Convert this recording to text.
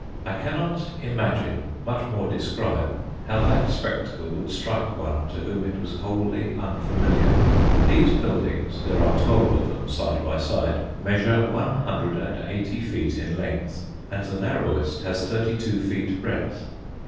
I cannot imagine, much more describe, how that spectacle would strike one to whom it was wholly unfamiliar. These buildings there are twelve of them, side by side measure one hundred and eighty feet in length, and the narrowest has thirty two feet breadth.